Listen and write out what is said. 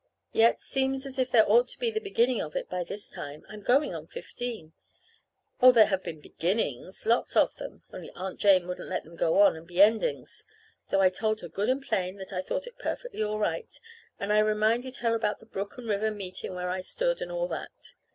Yet, seems as if there ought to be the beginning of it by this time I'm going on fifteen. Oh, there have been beginnings, lots of them only Aunt Jane wouldn't let them go on and be endings, though I told her good and plain that I thought it perfectly all right; and I reminded her about the brook and river meeting where I stood, and all that.